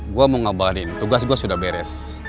gue mau ngabalin tugas gue sudah beres